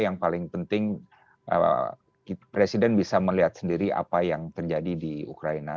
yang paling penting presiden bisa melihat sendiri apa yang terjadi di ukraina